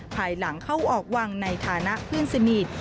ภายหลังเข้าออกวังในฐานะเพื่อนสนิท